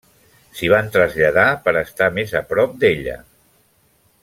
S'hi van traslladar per estar més a prop d'ella.